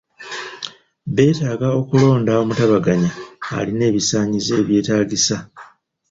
Beetaaga okulonda omutabaganya alina ebisaanyizo ebyetaagisa.